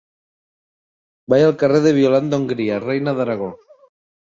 Vaig al carrer de Violant d'Hongria Reina d'Aragó.